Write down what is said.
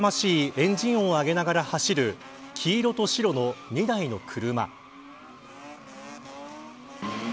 エンジン音を上げながら走る黄色と白の２台の車。